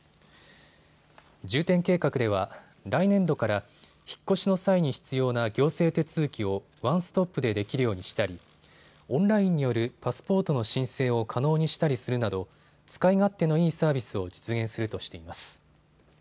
重点計画では来年度から引っ越しの際に必要な行政手続きをワンストップでできるようにしたり、オンラインによるパスポートの申請を可能にしたりするなど使い勝手のいいサービスを実現するとしています。